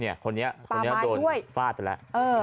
คนนี้คนนี้โดนฟาดไปแล้ว